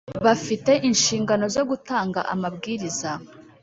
Bafite inshingano zo gutanga amabwiriza